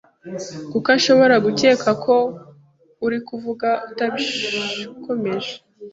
kuko ashobora gukeka ko uri kuvuga utabikomeje.